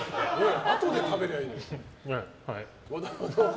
あとで食べりゃいいのに。